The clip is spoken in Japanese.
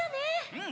うん！